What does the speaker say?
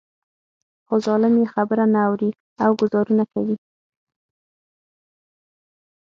خو ظالم يې خبره نه اوري او ګوزارونه کوي.